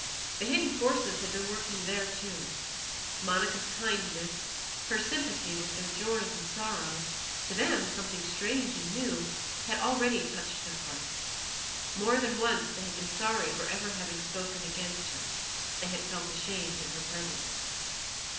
The hidden forces had been working there too. Monica's kindness, her sympathy with their joys and sorrows to them something strange and new had already touched their hearts. More than once they had been sorry for ever having spoken against her; they had felt ashamed in her presence.